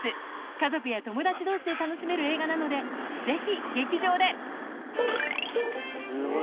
家族や友達同士で楽しめる映画なのでぜひ劇場ですごい！